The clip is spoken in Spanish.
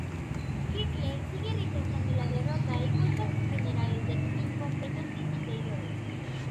Hitler sigue rechazando la derrota y culpa a sus generales de incompetentes y traidores.